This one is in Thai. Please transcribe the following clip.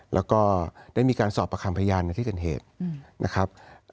แล้วก็ได้มีการสอบประคำพยานในที่เกิดเหตุนะครับ